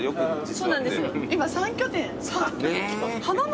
そうなんですよ。